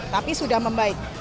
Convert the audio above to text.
tapi sudah membaik